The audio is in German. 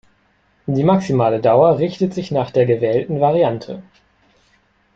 Die maximale Dauer richtet sich nach der gewählten Variante.